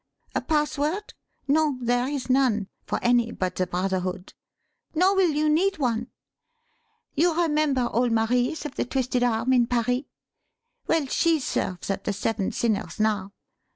A password? No, there is none for any but the Brotherhood. Nor will you need one. You remember old Marise of the 'Twisted Arm' in Paris? Well, she serves at the Seven Sinners now.